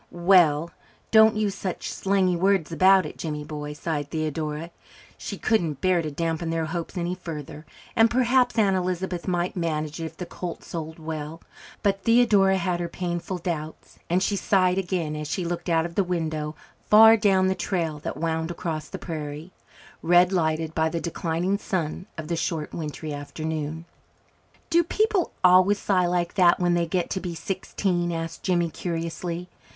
"Well, don't use such slangy words about it, Jimmy boy," sighed Theodora. She couldn't bear to dampen their hopes any further, and perhaps Aunt Elizabeth might manage it if the colt sold well. But Theodora had her painful doubts, and she sighed again as she looked out of the window far down the trail that wound across the prairie, red lighted by the declining sun of the short wintry afternoon. "Do people always sigh like that when they get to be sixteen?" asked Jimmy curiously.